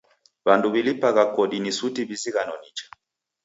W'andu w'ilipagha kodi ni suti w'izighano nicha.